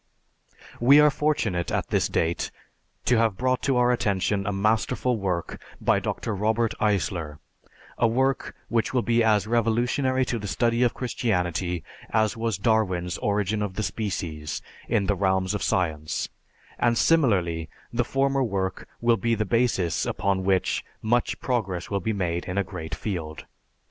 We are fortunate, at this date, to have brought to our attention a masterful work by Dr. Robert Eisler, a work which will be as revolutionary to the study of Christianity as was Darwin's "Origin of the Species" in the realms of science; and, similarly, the former work will be the basis upon which much progress will be made in a great field.